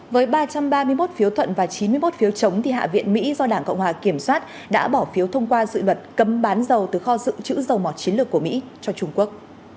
với ba trăm ba mươi một phiếu thuận và chín mươi một phiếu chống hạ viện mỹ do đảng cộng hòa kiểm soát đã bỏ phiếu thông qua dự luật cấm bán dầu từ kho dự trữ dầu mỏ chiến lược của mỹ cho trung quốc